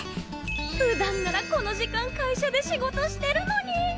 普段ならこの時間会社で仕事してるのに。